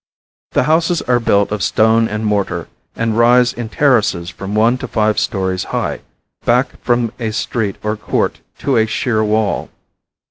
The houses are built of stone and mortar, and rise in terraces from one to five stories high, back from a street or court to a sheer wall.